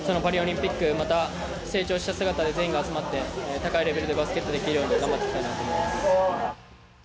パリオリンピック、また成長した姿で全員が集まって、高いレベルでバスケットできるように頑張っていきたいと思います。